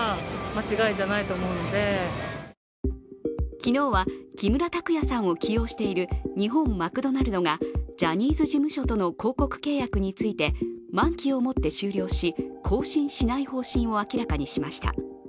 昨日は、木村拓哉さんを起用している日本マクドナルドがジャニーズ事務所との広告契約について満期を持って終了し、更新しない方針を明らかにしました。